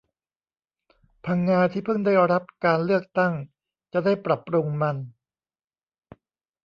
พังงาที่เพิ่งได้รับการเลือกตั้งจะได้ปรับปรุงมัน